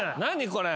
これ。